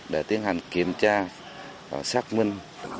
để tiến hành kiểm tra và xác minh